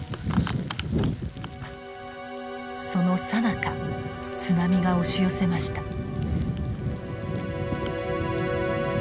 そのさなか津波が押し寄せました。